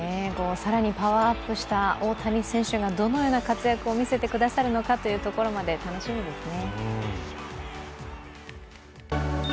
更にパワーアップした大谷選手がどのような活躍を見せてくださるのかというところまで楽しみですね。